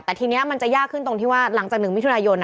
แต่ทีนี้มันจะยากขึ้นตรงที่ว่าหลังจาก๑มิถุนายน